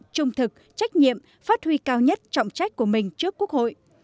trung thực trách nhiệm phát huy cao nhất trọng trách của mình trước quốc hội